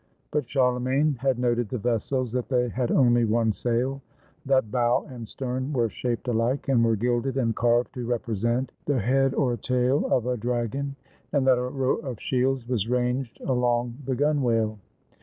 But Charle magne had noted the vessels, that they had only one sail, that bow and stern were shaped alike and were gilded and carved to represent the head or tail of a dragon, and that a row of shields was ranged along the gunwale.